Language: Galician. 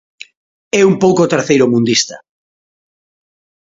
É un pouco terceiromundista.